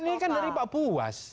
kan ini kan dari pak buas